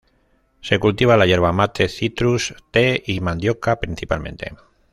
Se cultiva la yerba mate, citrus, te y mandioca principalmente.